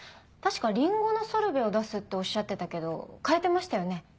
確かリンゴのソルベを出すっておっしゃってたけど変えてましたよね